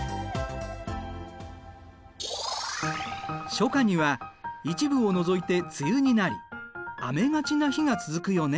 初夏には一部を除いて梅雨になり雨がちな日が続くよね。